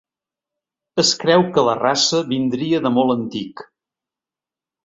Es creu que la raça vindria de molt antic.